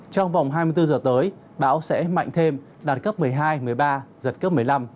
trong vòng hai mươi bốn giờ tới bão sẽ mạnh thêm đạt cấp một mươi hai một mươi ba giật cấp một mươi năm